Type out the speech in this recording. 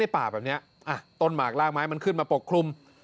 ป่าแบบนี้ต้นหมากลากไม้มันขึ้นมาปกคลุม